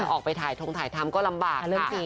ออกไปถ่ายทงถ่ายทำก็ลำบากค่ะ